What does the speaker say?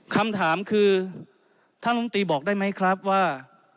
คำถามคือท่านลมตรีบอกได้ไหมครับว่า